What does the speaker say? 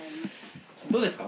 どうですか？